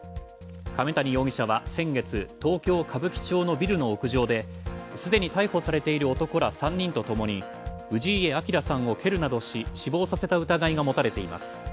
亀谷容疑者は先月、東京・歌舞伎町のビルの屋上ですでに逮捕されている男ら３人とともに氏家彰さんを蹴るなどし、死亡させた疑いが持たれています。